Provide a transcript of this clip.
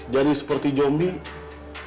jadi seperti zombie